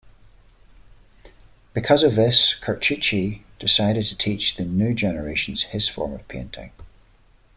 Because of this, Curruchiche decided to teach the new generations his form of painting.